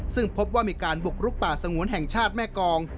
ซึ่งพบว่ามีการบุกรุกป่าสงวนแห่งชาติแม่กอง